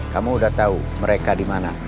kamu udah tahu mereka di mana